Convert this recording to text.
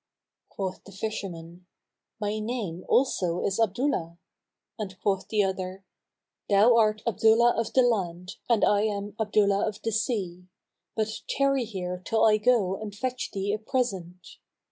Quoth the fisherman, "My name also is Abdullah;" and quoth the other, "Thou art Abdullah of the land and I am Abdullah of the Sea; but tarry here till I go and fetch thee a present."